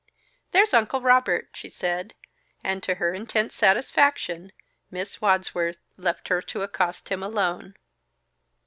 "There's Uncle Robert!" she said; and to her intense satisfaction, Miss Wadsworth left her to accost him alone.